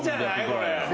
これ。